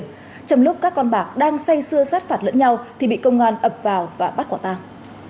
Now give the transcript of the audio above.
trong lúc các con bạc đang say xưa sát phạt lẫn nhau thì bị công an ập vào và bắt quả tàng